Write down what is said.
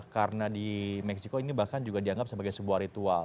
karena di meksiko ini bahkan juga dianggap sebagai sebuah ritual